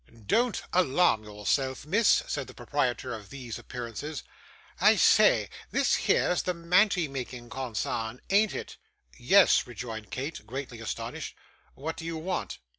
'Don't alarm yourself, miss,' said the proprietor of these appearances. 'I say; this here's the mantie making consarn, an't it?' 'Yes,' rejoined Kate, greatly astonished. 'What did you want?